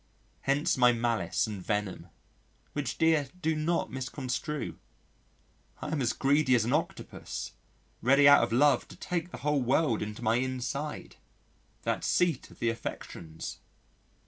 Hence my malice and venom: which, dear, do not misconstrue. I am as greedy as an Octopus, ready out of love to take the whole world into my inside that seat of the affections!